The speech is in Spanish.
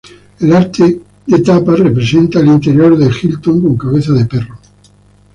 El arte de tapa representa el interior de Hilton con cabeza de perro.